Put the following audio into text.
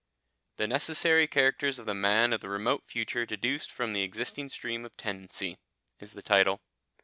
"The Necessary Characters of the Man of the Remote Future deduced from the Existing Stream of Tendency" is the title.